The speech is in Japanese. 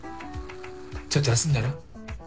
ちょっと休んだら？